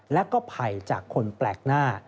และก็ภัยจากคนแปลกหน้า